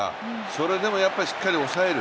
それでもしっかり抑える